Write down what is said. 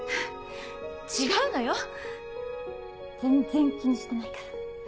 違うのよ全然気にしてないから。